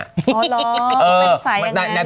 อ๋อเหรอเป็นสายอย่างงั้น